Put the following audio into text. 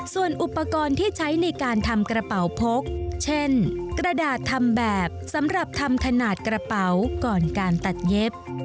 ส่วนอุปกรณ์ที่ใช้ในการทำกระเป๋าพกเช่นกระดาษทำแบบสำหรับทำขนาดกระเป๋าก่อนการตัดเย็บ